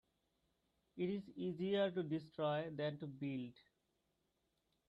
It is easier to destroy than to build.